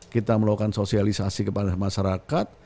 kita melakukan sosialisasi kepada masyarakat